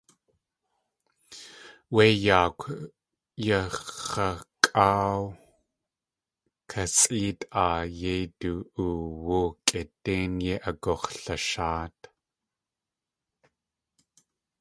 Wéi yaakw yax̲akʼáaw kasʼéet áa yéi du.oowú, kʼidéin yéi agux̲lasháat.